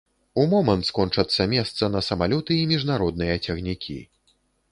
У момант скончацца месца на самалёты і міжнародныя цягнікі.